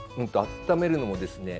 温めるのもですね